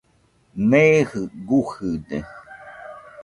Neeji gujɨde.